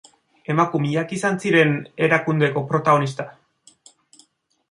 Emakumeak izan ziren erakundeko protagonista.